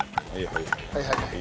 はいはいはい。